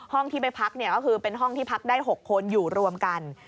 ที่ไปพักเนี่ยก็คือเป็นห้องที่พักได้๖คนอยู่รวมกัน